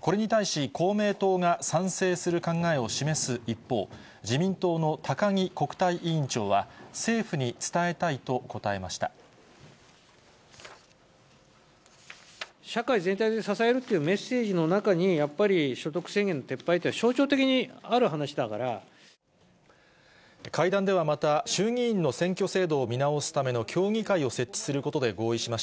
これに対し、公明党が賛成する考えを示す一方、自民党の高木国対委員長は、社会全体で支えるというメッセージの中に、やっぱり所得制限の撤廃というのは象徴的にある話会談ではまた、衆議院の選挙制度を見直すための協議会を設置することで合意しました。